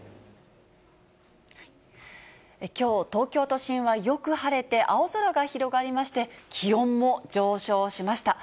きょう、東京都心はよく晴れて、青空が広がりまして、気温も上昇しました。